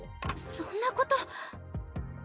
そんなこと。